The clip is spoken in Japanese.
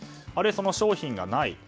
その商品がない。